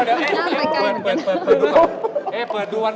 เดี๋ยวเฮ้เปิดดูก่อน